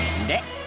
で